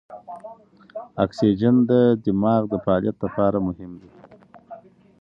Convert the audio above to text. اکسیجن د دماغ د فعالیت لپاره مهم دی.